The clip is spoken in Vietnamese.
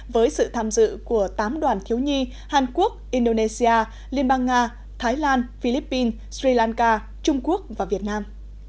với sự tham dự của tám đoàn thiếu nhi hàn quốc indonesia liên bang nga thái lan philippines sri lanka trung quốc và việt nam